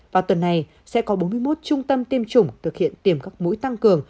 vào tuần này sẽ có bốn mươi một trung tâm tiêm chủng thực hiện tiềm các mũi tăng cường